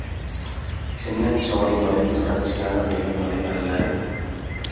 சின்னச் சோலைமலை, தொடர்ச்சியான பெரிய மலை அல்ல.